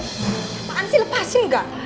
apaan sih lepasin gak